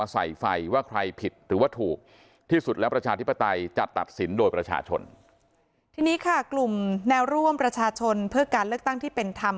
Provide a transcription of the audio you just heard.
ทีนี้ค่ะกลุ่มแนวร่วมประชาชนเพื่อการเลือกตั้งที่เป็นธรรม